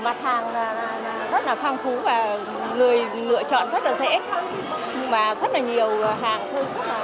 mặt hàng rất là phong phú và người lựa chọn rất là dễ và rất là nhiều hàng thêm rất là phong phú